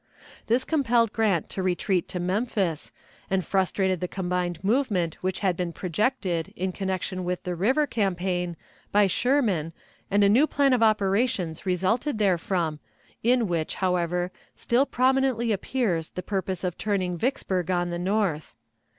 This compelled Grant to retreat to Memphis, and frustrated the combined movement which had been projected, in connection with the river campaign, by Sherman, and a new plan of operations resulted therefrom, in which, however, still prominently appears the purpose of turning Vicksburg on the north.